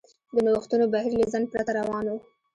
د نوښتونو بهیر له ځنډ پرته روان و.